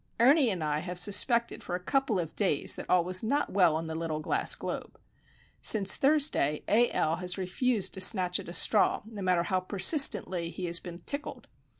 Ernie and I have suspected for a couple of days past that all was not well in the little glass globe. Since Thursday, A. L. has refused to snatch at a straw, no matter how persistently he has been "tickled."